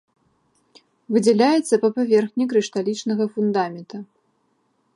Выдзяляецца па паверхні крышталічнага фундамента.